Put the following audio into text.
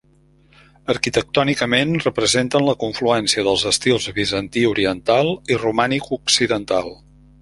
Arquitectònicament, representen la confluència dels estils bizantí oriental i romànic occidental.